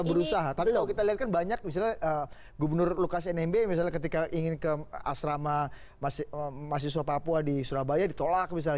berusaha tapi kalau kita lihat kan banyak misalnya gubernur lukas nmb misalnya ketika ingin ke asrama mahasiswa papua di surabaya ditolak misalnya